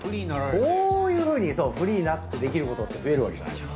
どういうふうにそうフリーになってできることって増えるわけじゃないですか。